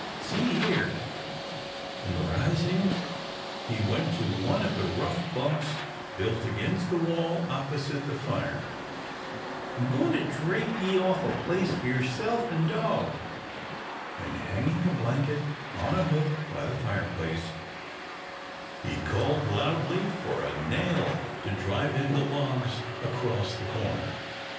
See here," and rising, he went to one of the rough bunks built against the wall opposite the fire; "I'm a goin' to drape ye off a place for yourself and dog," and, hanging a blanket on a hook by the fireplace, he called loudly for a nail to drive in the logs across the corner.